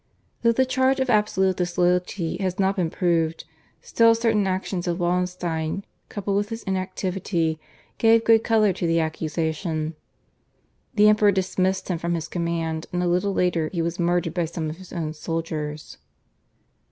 Though the charge of absolute disloyalty has not been proved, still certain actions of Wallenstein coupled with his inactivity gave good colour to the accusation. The Emperor dismissed him from his command, and a little later he was murdered by some of his own soldiers.